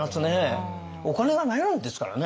お金がないわけですからね。